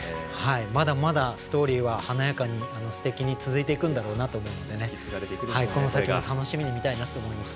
まだまだ、ストーリーは華やかにすてきに続いていくんだろうなと思いますのでこの先を楽しみに見たいと思います。